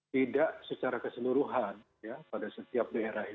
tidak secara keseluruhan ya pada setiap daerah itu